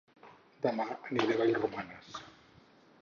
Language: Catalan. Dema aniré a Vallromanes